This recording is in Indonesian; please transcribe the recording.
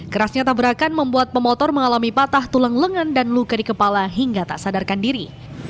kerasnya tabrakan membuat pemotor mengalami patah tulang lengan dan luka di kepala hingga tak sadarkan diri